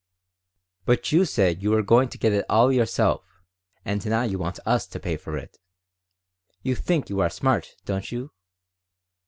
"But you said you were going to get it all yourself, and now you want us to pay for it. You think you are smart, don't you?"